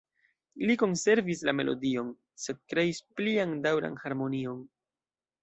Li konservis la melodion, sed kreis plian daŭran harmonion.